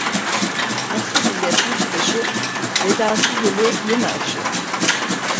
Asil ile taş taşı, bedasıl ile yeme aşı.